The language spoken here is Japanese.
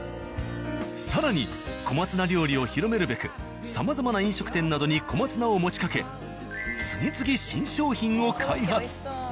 更に小松菜料理を広めるべくさまざまな飲食店などに小松菜を持ちかけ次々新商品を開発。